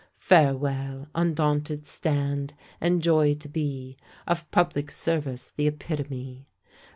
Farewell! undaunted stand, and joy to be Of public service the epitome.